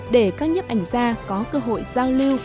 để các nhếp ảnh gia có cơ hội giao lưu